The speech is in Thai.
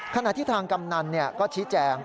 ขณะที่ทางกำนันก็ชี้แจง